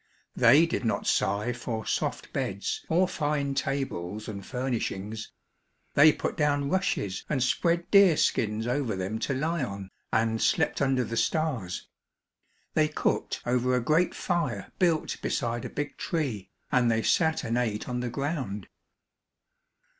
They did not sigh for soft beds or fine tables and furnishings. They put down rushes and spread deer skins over them to lie on, and slept under the stars. They cooked over a great fire built beside a big tree, and they sat and ate on the ground.